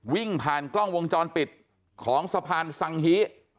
วิ่งผ่านกล้องวงจรปิดของสะพานสังฮี